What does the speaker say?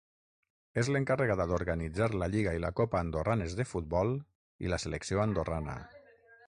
És l'encarregada d'organitzar la lliga i la copa andorranes de futbol, i la selecció andorrana.